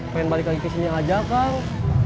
pengen balik lagi kesini aja kang